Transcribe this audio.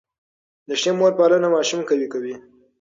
د ښې مور پالنه ماشوم قوي کوي.